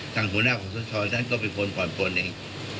หัวหน้าขอสชท่านก็เป็นคนผ่อนปนเอง